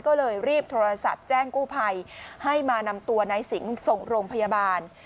ก็เลยรีบโทรศัพท์แจ้งกู้ภัยให้มานำตัวนายสิงห์ส่งโรงพยาบาล